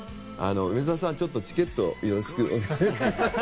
梅沢さん、ちょっとチケットよろしくお願いします。